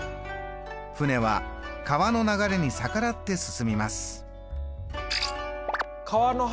舟は川の流れに逆らって進みます。